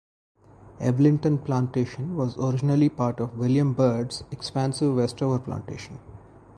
Evelynton Plantation was originally part of William Byrd's expansive Westover Plantation.